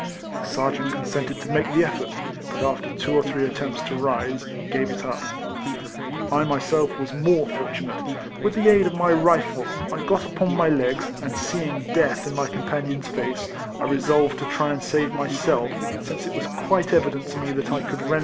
The sergeant consented to make the effort, but after two or three attempts to rise, gave it up. 1 myself was more fortunate: with the aid of my rifle I got upon my legs, and seeing death in my com panion's face, I resolved to try and save myself, since it was quite evident to me that I could render him no assistance.